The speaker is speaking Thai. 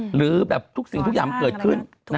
หรือแบบทุกสิ่งทุกอย่างเกิดขึ้น